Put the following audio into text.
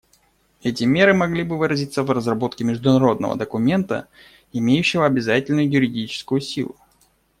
Эти меры могли бы выразиться в разработке международного документа, имеющего обязательную юридическую силу.